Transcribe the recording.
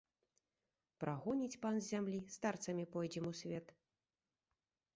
Прагоніць пан з зямлі, старцамі пойдзем у свет.